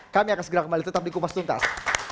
kami akan segera kembali tetap di kupas tuntas